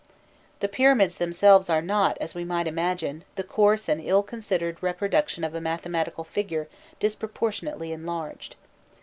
The pyramids themselves are not, as we might imagine, the coarse and ill considered reproduction of a mathematical figure disproportionately enlarged.